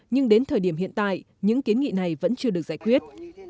nhưng đến thời điểm hiện tại những kiến nghị này vẫn chưa được giải quyết